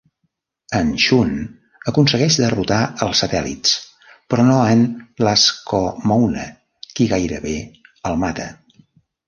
En Shun aconsegueix derrotar els satèl·lits, però no en Lascomoune, qui gairebé el mata.